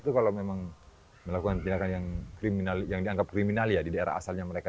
itu kalau memang melakukan tindakan yang dianggap kriminal ya di daerah asalnya mereka